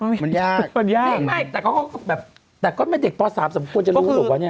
มันยากแต่ก็แบบเด็กป่อส๓สมควรจะรู้ถูกป่ะเนี่ย